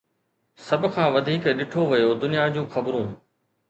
سڀ کان وڌيڪ ڏٺو ويو دنيا جون خبرون